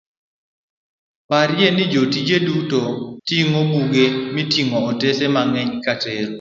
parye ka jotije duto ting'o buge moting'o otase mang'eny katero